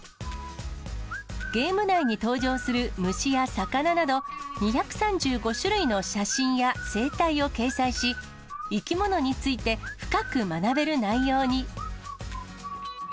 ゲーム内に登場する虫や魚など、２３５種類の写真や生態を掲載し、生き物について深く学べる内容に。